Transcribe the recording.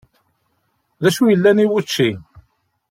D acu yellan i wučči?